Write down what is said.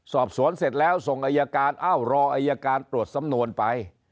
สอบสวนเสร็จแล้วส่งอายการเอ้ารออายการตรวจสำนวนไป